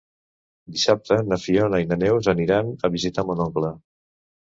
Dissabte na Fiona i na Neus aniran a visitar mon oncle.